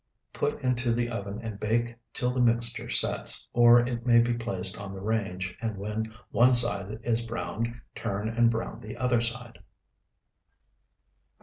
Put into the oven and bake till the mixture sets, or it may be placed on the range, and when one side is browned turn and brown the other side.